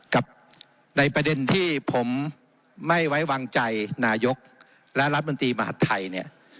กับในประเด็นที่ผมไม่ไว้วางใจนายกและรัฐมนตรีมหาดไทยเนี่ย